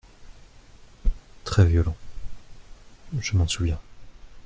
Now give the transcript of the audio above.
Très violent… je m’en souviens.